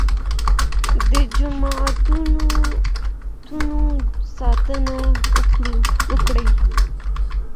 د جوماتونو ساتنه وکړئ.